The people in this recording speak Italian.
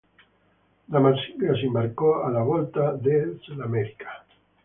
Da Marsiglia si imbarcò alla volta del Sudamerica.